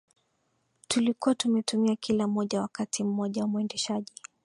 tulikuwa tumetumia kila moja Wakati mmoja mwendeshaji